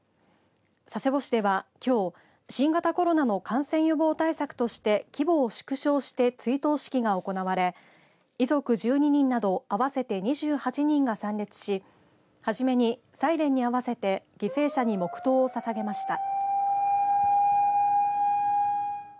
佐世保市では、きょう新型コロナの感染予防対策として規模を縮小して追悼式が行われ遺族１２人など合わせて２８人が参列し始めにサイレンに合わせて犠牲者に黙とうをささげました。